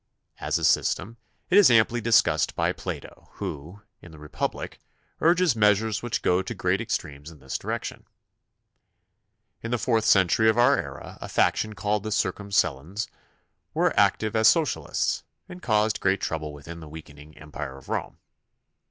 As a system it is amply discussed by Plato, who, in The Republic, urges measures which go to great ex tremes in this direction. In the fourth century of our era a faction called the Circumcellions were active as socialists and caused great trouble within the weakening Empire of Rome.